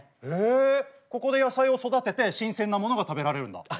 へえここで野菜を育てて新鮮なものが食べられるんだ。